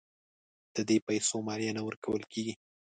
د دې پیسو مالیه نه ورکول کیږي.